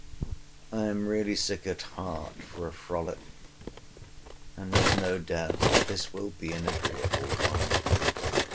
I am really sick at heart for a frolic, and have no doubt but this will be an agreeable one.